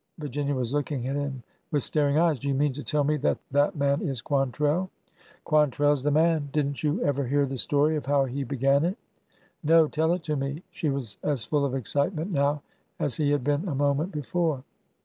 Virginia was looking at him with staring eyes. Do you mean to tell me that that man is Quan trell?" Quantrell 's the man. Did n't you ever hear the story of how he began it ?" No. Tell it to me." She was as full of excitement now as he had been a moment before.